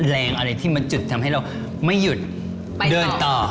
แรงอะไรที่มันจุดทำให้เราไม่หยุดเดินต่อ